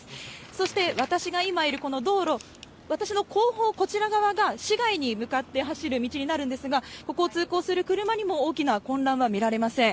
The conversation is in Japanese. そして、私が今いるこの道路、私の後方、こちら側が市外に向かって走る道になるんですが、ここを通行する車にも、大きな混乱は見られません。